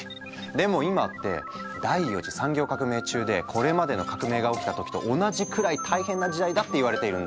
でも今って第４次産業革命中でこれまでの革命が起きた時と同じくらい大変な時代だっていわれているんだ。